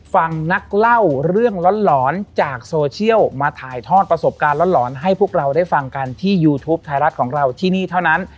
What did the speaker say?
นักเล่าเรื่องหลอนจากโซเชียลมาถ่ายทอดประสบการณ์หลอนให้พวกเราได้ฟังกันที่ยูทูปไทยรัฐของเราที่นี่เท่านั้น